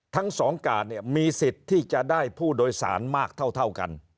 ทั้งสองการเนี่ยมีสิทธิ์ที่จะได้ผู้โดยสารมากเท่ากัน